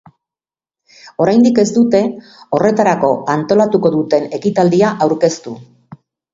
Oraindik ez dute horretarako antolatuko duten ekitaldia aurkeztu.